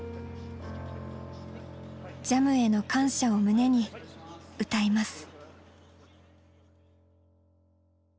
ＪＡＭへの感謝を胸に歌います。